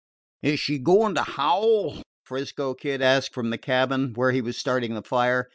"Is she goin' to howl?" 'Frisco Kid asked from the cabin, where he was starting the fire.